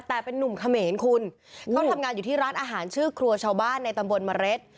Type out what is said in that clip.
แต่เป็นนุ่มเขมรคุณเขาทำงานอยู่ที่ร้านอาหารชื่อครัวชาวบ้านในตำบลเมล็ด